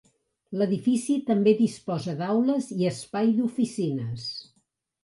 L'edifici també disposa d'aules i espai d'oficines